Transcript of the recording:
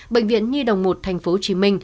bệnh viện nhi đồng một tp hcm